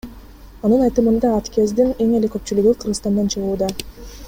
Анын айтымында, аткездин эң эле көпчүлүгү Кыргызстандан чыгууда.